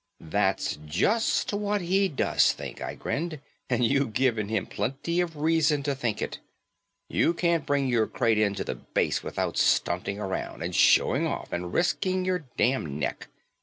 "That's just what he does think," I grinned, "and you've given him plenty of reason to think it. You can't bring your crate in to the base without stunting around and showing off and risking your damn neck.